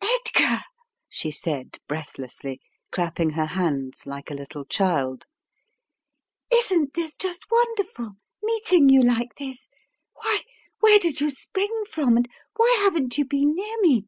"Edgar," she said breathlessly, clapping her hands like a little child. "Isn't this just wonderful; meet ing you like this? Why, where did you spring from, and why haven't you been near me?"